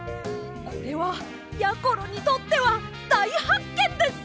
これはやころにとってはだいはっけんです！